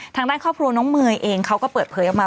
ทางด้านครอบครัวน้องเมย์เองเขาก็เปิดเผยออกมา